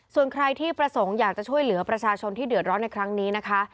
ส่วนใครที่ประสงค์อยากจะช่วยเหลือประชาชนที่เดือดร้อนในครั้งนี้นะคะ